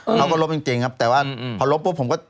เออเขาก็ล้มจริงจริงครับแต่ว่าพอล้มปุ๊บผมก็